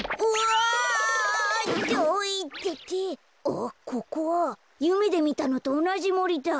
あっここはゆめでみたのとおなじもりだ。